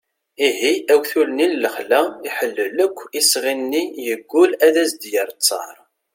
ihi awtul-nni n lexla iḥellel akk isɣi-nni yeggul ad as-d-yerr ttar